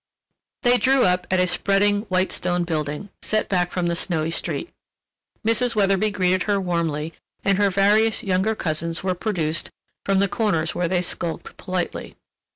They drew up at a spreading, white stone building, set back from the snowy street. Mrs. Weatherby greeted her warmly and her various younger cousins were produced from the corners where they skulked politely.